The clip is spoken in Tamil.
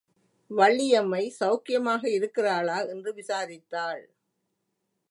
வள்ளியம்மை சவுக்கியமாக இருக்கிறாளா என்று விசாரித்தாள்.